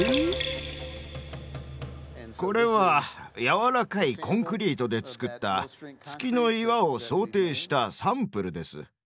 これは軟らかいコンクリートで作った月の岩を想定したサンプルです。